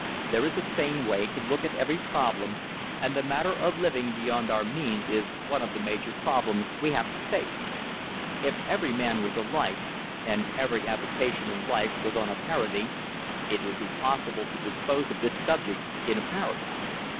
There is a sane way to look at every problem, and the matter of living beyond our means is one of the major problems we have to face. If every man was alike and every avocation in life was on a parity, it would be possible to dispose of this subject in a paragraph.